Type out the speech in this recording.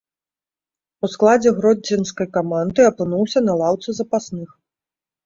У складзе гродзенскай каманды апынуўся на лаўцы запасных.